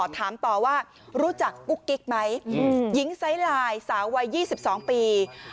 ถามต่อว่ารู้จักกุ๊กกิ๊กไหมหญิงไซส์ไลน์สาววัย๒๒ปี